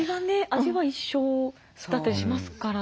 味は一緒だったりしますからね。